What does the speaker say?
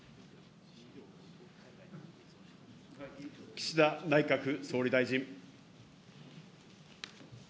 岸田内閣総理大臣。